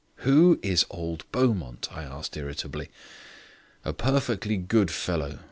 "Who is old Beaumont?" I asked irritably. "A perfectly good fellow.